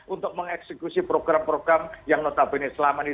untuk mengeksekusi program program yang notabene selama ini